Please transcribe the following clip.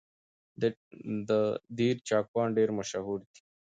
د دير چاکوان ډېر مشهور دي